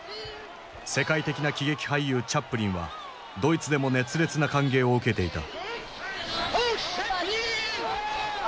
世界的な喜劇俳優チャップリンはドイツでも熱烈な歓迎を受けていた。